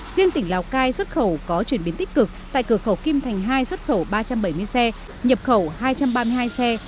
riêng tỉnh lào cai xuất khẩu có chuyển biến tích cực tại cửa khẩu kim thành hai xuất khẩu ba trăm bảy mươi xe nhập khẩu hai trăm ba mươi hai xe